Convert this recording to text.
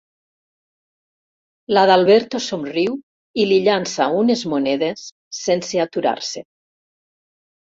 L'Adalberto somriu i li llança unes monedes, sense aturar-se.